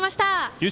優勝